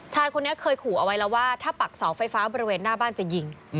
ชายคนนี้เคยขู่เอาไว้แล้วว่าถ้าปักเสาไฟฟ้าบริเวณหน้าบ้านจะยิง